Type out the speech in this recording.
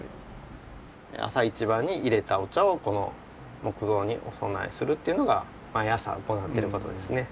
朝一番にいれたお茶をこの木像にお供えするっていうのが毎朝行っていることですね。